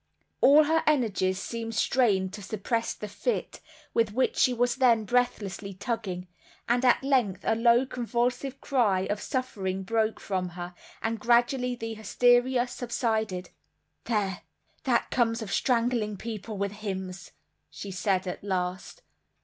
All her energies seemed strained to suppress a fit, with which she was then breathlessly tugging; and at length a low convulsive cry of suffering broke from her, and gradually the hysteria subsided. "There! That comes of strangling people with hymns!" she said at last.